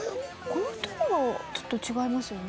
この２人もちょっと違いますよね？